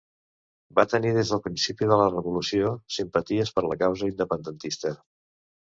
Va tenir des del principi de la revolució simpaties per la causa independentista.